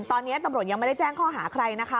ตอนนี้ตำรวจยังไม่ได้แจ้งข้อหาใครนะคะ